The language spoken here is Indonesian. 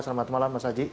selamat malam mas aji